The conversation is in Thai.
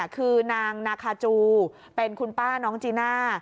คือนางนาคาจูเป็นคุณป้าน้องจีน่า